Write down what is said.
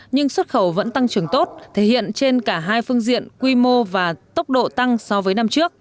nhưng xuất khẩu vẫn tăng trưởng tốt thể hiện trên cả hai phương diện quy mô và tốc độ tăng so với năm trước